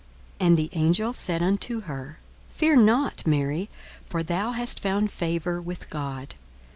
42:001:030 And the angel said unto her, Fear not, Mary: for thou hast found favour with God.